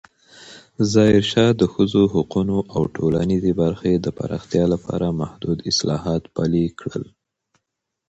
ظاهرشاه د ښځو حقونو او ټولنیزې برخې د پراختیا لپاره محدود اصلاحات پلې کړل.